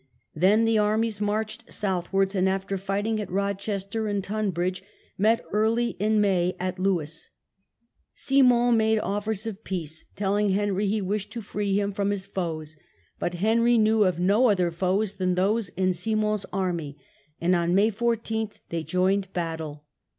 Then the armies marched southwards, and after fighting at Rochester and Tunbridge, met early in May at Lewes. Simon made offers of peace, telling Henry he wished to free him from his foes; but Henry knew of no other foes than those in Simon's army, and on May 14 they joined battle.